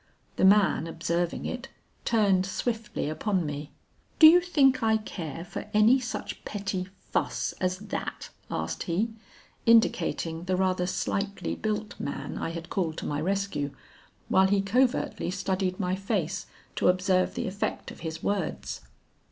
The man observing it, turned swiftly upon me. 'Do you think I care for any such petty fuss as that?' asked he, indicating the rather slightly built man I had called to my rescue, while he covertly studied my face to observe the effect of his words.